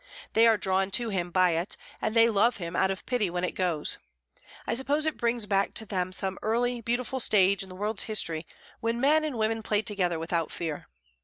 They are drawn to him by it, and they love him out of pity when it goes. I suppose it brings back to them some early, beautiful stage in the world's history when men and women played together without fear.